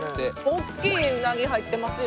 大きいうなぎ入ってますよ。